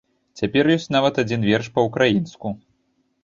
Цяпер ёсць нават адзін верш па-ўкраінску.